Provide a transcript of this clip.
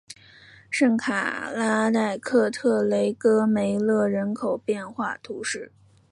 圣卡拉代克特雷戈梅勒人口变化图示